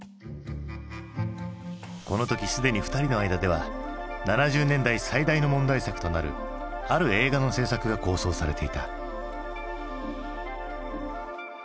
この時すでに２人の間では７０年代最大の問題作となるある映画の製作が構想されていた。